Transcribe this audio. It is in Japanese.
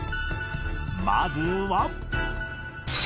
まずは